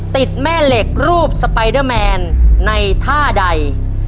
ติดแม่เหล็กรูปสไปเดอร์แมนในท่าใด